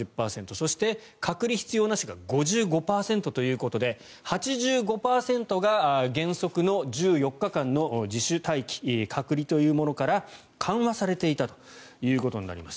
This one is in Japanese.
そして、隔離必要なしが５５％ということで８５％が原則の１４日間の自主待機隔離というものから緩和されていたということになります。